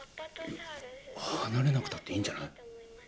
離れなくたっていいんじゃない？